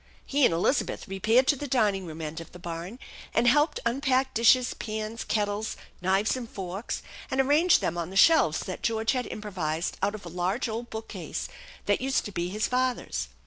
He and Elizabeth repaired to the dining room end of the barn, and helped unpack dishes, pana^ kettles, knives, and forks, and arrange them on the shelves that George had improvised out of a large old bookcase that used to be hia father's.